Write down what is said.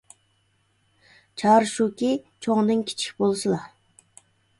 چارە شۇكى، چوڭدىن كىچىك بولسىلا.